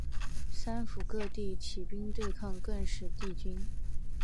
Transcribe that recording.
三辅各地起兵对抗更始帝军。